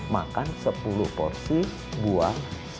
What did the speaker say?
makan sepuluh porsi buah